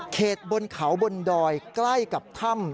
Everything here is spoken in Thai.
บนเขาบนดอยใกล้กับถ้ำ